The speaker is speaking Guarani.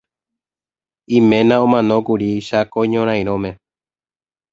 Iména omanókuri Cháko ñorairõme.